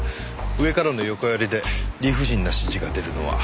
上からの横やりで理不尽な指示が出るのは。